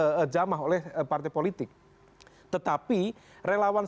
untuk kemudian mengcapture sel sel kekuatan politik dan politik yang berkaitan dengan jaringan relawan